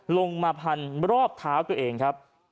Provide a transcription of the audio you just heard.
ลงมาพันรอบเท้าตัวเองครับ